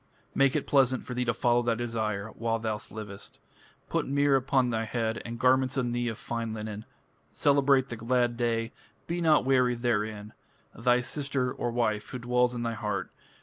(Make) it pleasant for thee to follow thy desire While thou livest. Put myrrh upon thy head, And garments on thee of fine linen.... Celebrate the glad day, Be not weary therein.... Thy sister (wife) who dwells in thy heart.